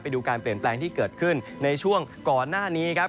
ดูการเปลี่ยนแปลงที่เกิดขึ้นในช่วงก่อนหน้านี้ครับ